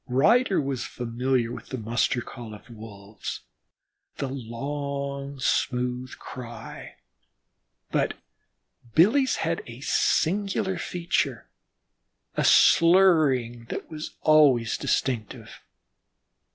Ryder was familiar with the muster call of the Wolves, the long, smooth cry, but Billy's had a singular feature, a slurring that was always distinctive.